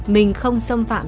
mình không xâm phạm